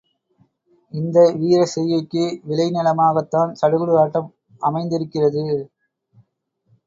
இந்த வீரச் செய்கைக்கு விளை நிலமாகத்தான் சடுகுடு ஆட்டம் அமைந்திருக்கிறது.